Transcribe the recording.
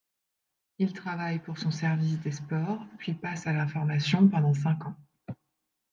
Il travaille pour son service des sports, puis passe à l'information pendant cinq ans.